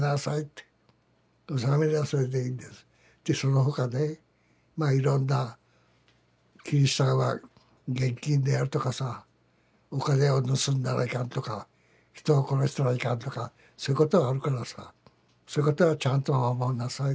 その他ねまあいろんなキリシタンは厳禁であるとかさお金を盗んだらいかんとか人を殺したらいかんとかそういうことはあるからさそういうことはちゃんと守んなさい。